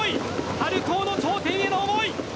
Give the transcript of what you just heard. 春高の頂点への思い。